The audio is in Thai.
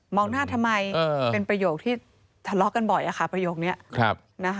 มองหน้าทำไมเป็นประโยคที่ทะเลาะกันบ่อย